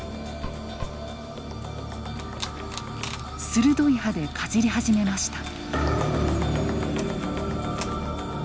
鋭い歯でかじり始めました。